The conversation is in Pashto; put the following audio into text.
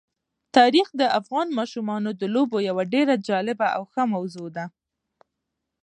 تاریخ د افغان ماشومانو د لوبو یوه ډېره جالبه او ښه موضوع ده.